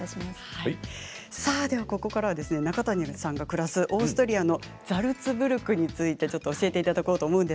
ここからは中谷さんが暮らすオーストリアのザルツブルクについて教えていただきます。